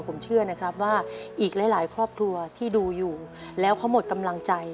ผมเชื่อนะครับว่าอีกหลายครอบครัวที่ดูอยู่แล้วเขาหมดกำลังใจ